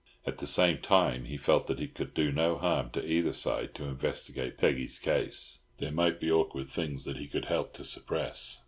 At the same time, he felt that it could do no harm to either side to investigate Peggy's case; there might be awkward things that he could help to suppress.